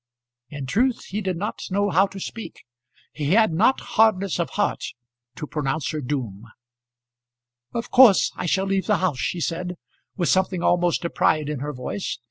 In truth he did not know how to speak. He had not hardness of heart to pronounce her doom. "Of course I shall leave the house," she said, with something almost of pride in her voice.